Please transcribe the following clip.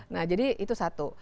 nah jadi itu satu